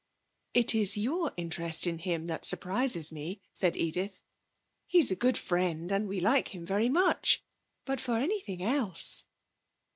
'It is your interest in him that surprises me,' said Edith. 'He's a good friend, and we like him very much. But for anything else!